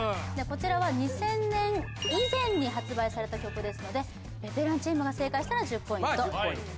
こちらは２０００年以前に発売された曲ですのでベテランチームが正解したら１０ポイントまあ１０ポイント